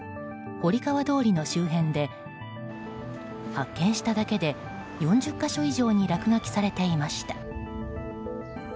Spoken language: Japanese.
堀川通の周辺で発見しただけで４０か所以上に落書きされていました。